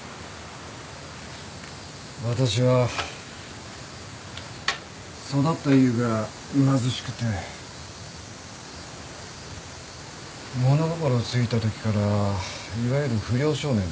私は育った家が貧しくて物心ついたときからいわゆる不良少年でね。